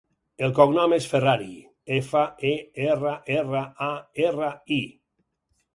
El cognom és Ferrari: efa, e, erra, erra, a, erra, i.